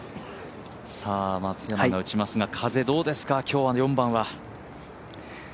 松山が打ちますが、風どうですか、今日の４番は。